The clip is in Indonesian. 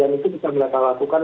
dan itu bisa mereka lakukan